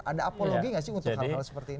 ada apologi nggak sih untuk hal hal seperti ini